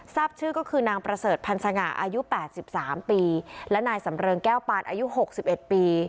ทรัพย์ชื่อก็คือนางประเสริฐพันธ์สง่าอายุแปดสิบสามปีและนายสำเริงแก้วปานอายุหกสิบเอ็ดปี